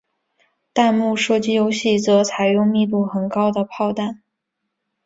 弹幕射击游戏则采用密度很高的炮弹。